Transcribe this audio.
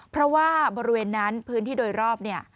เพราะว่าบริเวณนั้นพื้นที่โดยรอบเนี่ย